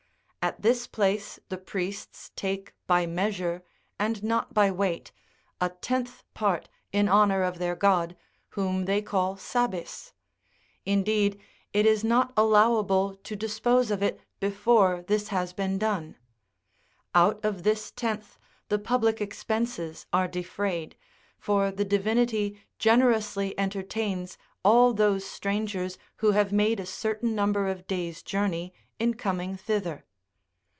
At this place the priests take by measure, and not by weight, a tenth part in honour of their god, whom they call Sabis ; indeed, it is not allowable to dispose of it before this has been done : out of this tenth the public expenses are defrayed, for the divinity generously entertains all those strangers who have made a cer tain number of days' journey in coming thither.